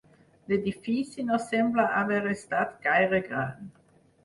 L'edifici no sembla haver estat gaire gran.